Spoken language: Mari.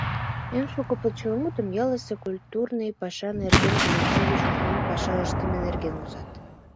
Эн шуко почеламутым ялысе культурный паша нерген, коллективыш ушнен паша ыштыме нерген возат.